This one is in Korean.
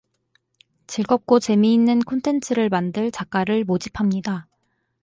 즐겁고 재미있는 콘텐츠를 만들 작가를 모집합니다.